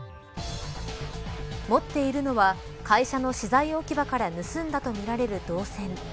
持っているのは会社の資材置き場から盗んだとみられる銅線